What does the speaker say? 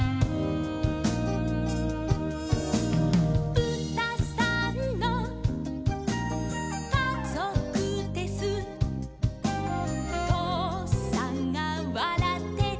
「ぶたさんのかぞくです」「とうさんがわらってる」